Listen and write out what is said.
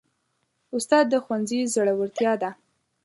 استاد د ښوونځي زړورتیا ده.